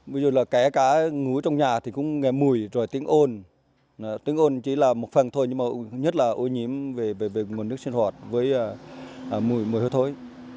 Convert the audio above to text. ví dụ là kể cả ngủ trong nhà thì cũng nghe mùi rồi tiếng ôn tiếng ôn chỉ là một phần thôi nhưng mà nhất là ô nhiễm về nguồn nước sinh hoạt với mùi hối thối